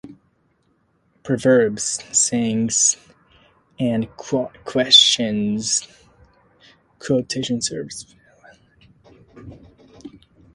Proverbs, sayings, and quotations serve various purposes in communication.